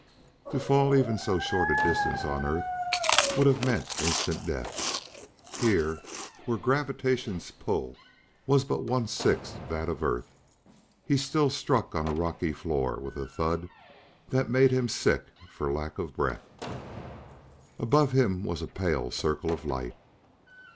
To fall even so short a distance on Earth would have meant instant death. Here, where gravitation's pull was but one sixth that of Earth, he still struck on a rocky floor with a thud that made him sick for lack of breath. Above him was a pale circle of light.